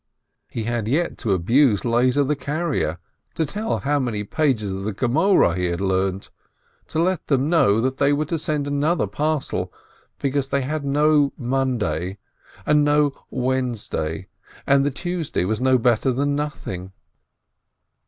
He had yet to abuse Lezer the carrier, to tell how many pages of the Gemoreh he had learnt, to let them know they were to send another parcel, because they had no "Monday" and no "Wednesday," and the "Tuesday" was no better than nothing.